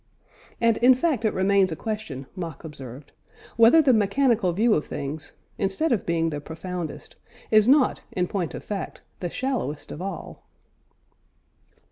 And in fact it remains a question, Mach observed, "whether the mechanical view of things, instead of being the profoundest, is not in point of fact, the shallowest of all."